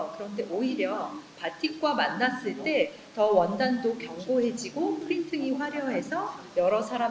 pertemuan kami tersebut berlangsung dari jinju silk ke jinju silk indonesia